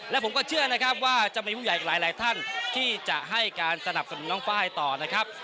และผมก็เชื่อนะครับว่าจะมีผู้ใหญ่อีกหลายท่านที่จะให้การสนับสนุนน้องไฟล์ต่อนะครับ